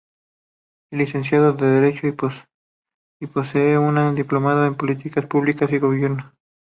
Es licenciado en derecho y posee un diplomado en Políticas Públicas y Gobierno.